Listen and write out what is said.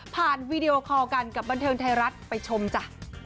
ผ่านวิดีโอคอกันกับบรรเทียมไทยรัฐไปชมจ้ะ